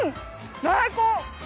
最高！